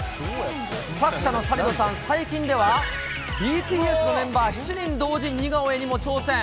作者のサリドさん、最近では、ＢＴＳのメンバー７人同時似顔絵にも挑戦。